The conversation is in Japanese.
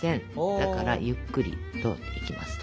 だからゆっくりといきますと。